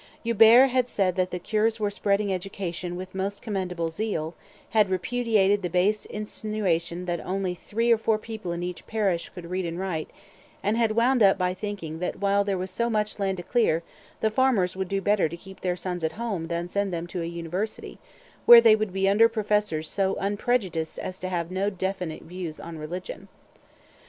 Hubert had said that the cures were spreading education with most commendable zeal, had repudiated the base insinuation that only three or four people in each parish could read and write, and had wound up by thinking that while there was so much land to clear the farmers would do better to keep their sons at home than send them to a university, where they would be under professors so 'unprejudiced' as to have no definite views on religion.